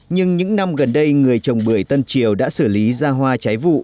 nhưng những năm gần đây người trồng bưởi tân triều đã xử lý ra hoa trái vụ